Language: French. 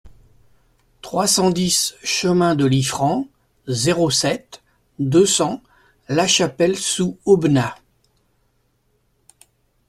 trois cent dix chemin de Liffrand, zéro sept, deux cents, Lachapelle-sous-Aubenas